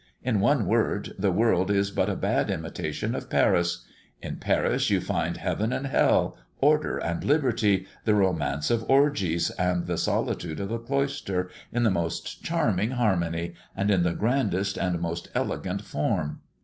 In one word, the world is but a bad imitation of Paris. In Paris you find heaven and hell, order and liberty, the romance of orgies, and the solitude of the cloister, in the most charming harmony and in the grandest and most elegant form.